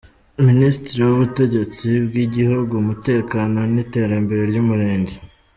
Ministre w’Ubutegetsi bw’igihugu, umutekano n’iterambere ry’umurenge.